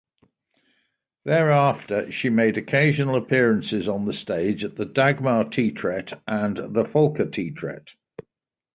Thereafter she made occasional appearances on the stage at the Dagmar Teatret and Folketeatret.